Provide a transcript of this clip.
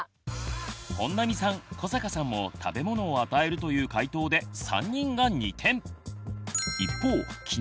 本並さん古坂さんも食べ物を与えるという解答で３人が２点。